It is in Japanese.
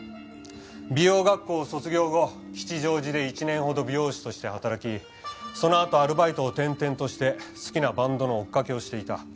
美容学校を卒業後吉祥寺で１年ほど美容師として働きそのあとアルバイトを転々として好きなバンドの追っかけをしていた。